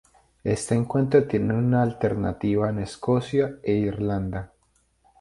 Este encuentro tiene lugar alternativamente en Escocia e Irlanda.